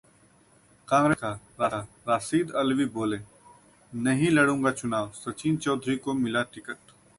कांग्रेस को झटका, राशिद अल्वी बोले- नहीं लडूंगा चुनाव, सचिन चौधरी को मिला टिकट